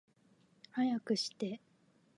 早くして